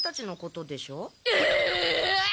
えっ！